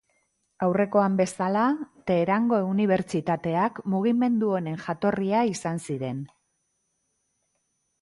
Aurrekoan bezala, Teherango unibertsitateak mugimendu honen jatorria izan ziren.